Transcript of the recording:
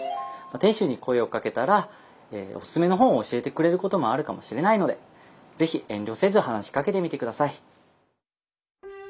店主に声をかけたらオススメの本を教えてくれることもあるかもしれないので是非遠慮せず話しかけてみて下さい！